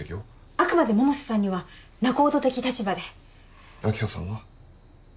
あくまで百瀬さんには仲人的立場で明葉さんは？